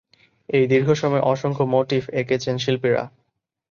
এই দীর্ঘ সময়ে অসংখ্য মোটিফ এঁকেছেন শিল্পীরা।